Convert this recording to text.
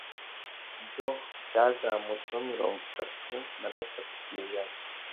byo byazamutseho mirongo itatu nagatatu kwijana